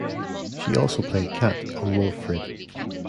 She also played "Kat" on "Wilfred".